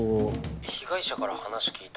被害者から話聞いた？